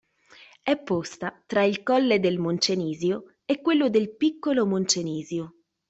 È posta tra il colle del Moncenisio e quello del Piccolo Moncenisio.